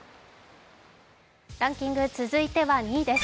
ランキング続いては２位です。